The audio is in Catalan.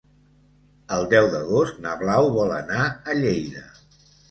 El deu d'agost na Blau vol anar a Lleida.